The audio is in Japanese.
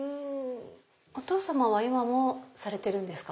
お父さまは今もされてるんですか？